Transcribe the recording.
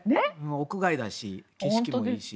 屋外だし景色もいいし。